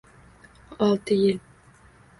— Olti yil.